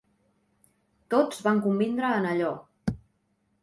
Tots van convindre en allò.